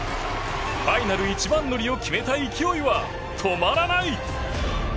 ファイナル一番乗りを決めた勢いは止まらない！